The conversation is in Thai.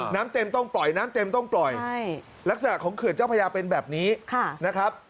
น้ำเต็มต้องปล่อยน้ำเต็มต้องปล่อยลักษณะของเขื่อนเจ้าพญาเป็นแบบนี้นะครับ